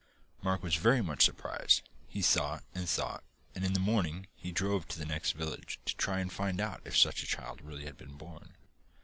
Mark was very much surprised; he thought, and thought, and in the morning he drove to the next village to try and find out if such a child really had been born.